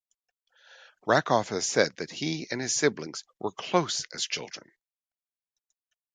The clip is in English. Rakoff has said that he and his siblings were close as children.